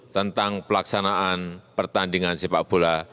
tentang pelaksanaan pertandingan sepak bola